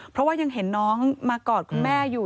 เพราะว่ายังเห็นน้องมากอดคุณแม่อยู่